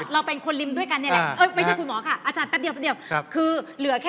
เราเป็นคนลิมต์ด้วยกันนี่แหละ